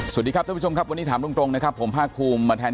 สวัสดีครับท่านผู้ชมครับวันนี้ถามตรงนะครับผมภาคภูมิมาแทน